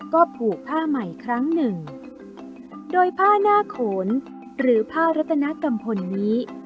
ก็ผูกผ้าใหม่ครั้งหนึ่งโดยผ้าหน้าโขนหรือผ้ารัตนกัมพลนี้